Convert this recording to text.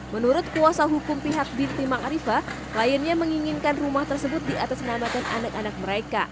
menurut kuasa hukum pihak binti mak rifah kliennya menginginkan rumah tersebut diatas namakan anak anak mereka